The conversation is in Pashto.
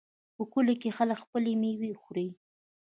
په کلیو کې خلک خپلې میوې خوري.